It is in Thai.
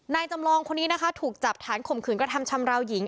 จำลองคนนี้นะคะถูกจับฐานข่มขืนกระทำชำราวหญิง